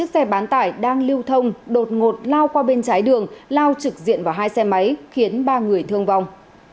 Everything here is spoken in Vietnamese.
xe bán tải đang lưu thông đột ngột lao qua bên trái đường lao trực diện vào hai xe máy khiến ba người thương vong